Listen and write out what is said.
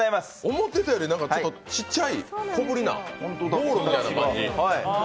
思ってたよりちっちゃい小ぶりな、ぼうろみたいな感じ。